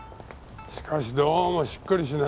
しかしどうもしっくりしないな。